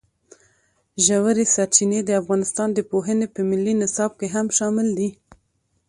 ژورې سرچینې د افغانستان د پوهنې په ملي نصاب کې هم شامل دي.